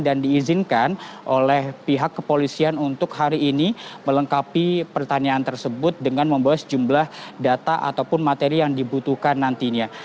dan diizinkan oleh pihak kepolisian untuk hari ini melengkapi pertanyaan tersebut dengan memboes jumlah data ataupun materi yang dibutuhkan nantinya